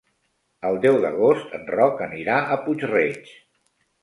El deu d'agost en Roc anirà a Puig-reig.